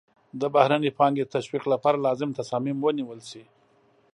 د بهرنۍ پانګې د تشویق لپاره لازم تصامیم ونیول شي.